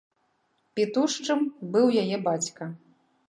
Пітушчым быў яе бацька.